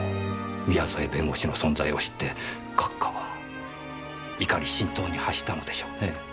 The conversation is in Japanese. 宮添弁護士の存在を知って閣下は怒り心頭に発したのでしょうね。